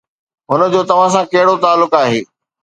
هن جو توهان سان ڪهڙو تعلق آهي؟